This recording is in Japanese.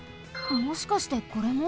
もしかしてこれも？